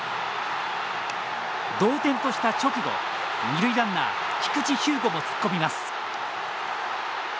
同点とした直後二塁ランナー、菊地彪吾も突っ込みます。